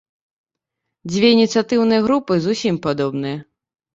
Дзве ініцыятыўныя групы зусім падобныя.